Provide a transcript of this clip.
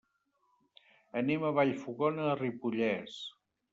Anem a Vallfogona de Ripollès.